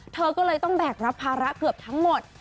เธอก็เลยต้องแบกรับภาระเกือบทั้งหมด